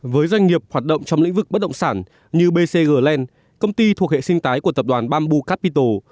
với doanh nghiệp hoạt động trong lĩnh vực bất động sản như bcg land công ty thuộc hệ sinh tái của tập đoàn bamboo capital